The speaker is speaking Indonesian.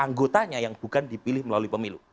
anggotanya yang bukan dipilih melalui pemilu